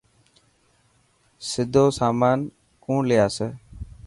سيدو سامان ڪوڻ لي آسي.